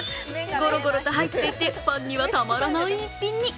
ごろごろと入っていてファンにはたまらない逸品に。